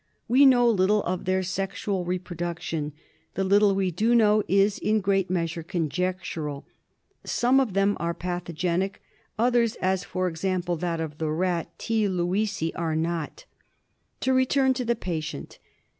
We know little of their sexual reproduction ; the little we do know is in great measure conjectural. Some of them are pathogenic ; others, as for example that of the rat — T, lewisi, are not. To return to the patient.